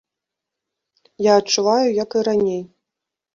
Я адчуваю, як і раней.